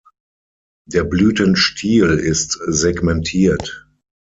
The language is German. Der Blütenstiel ist segmentiert.